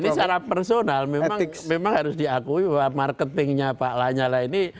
dan ini secara personal memang harus diakui bahwa marketingnya pak lanyala ini